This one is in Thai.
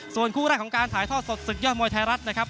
ส่วนคู่แรกของการถ่ายทอดสดศึกยอดมวยไทยรัฐนะครับ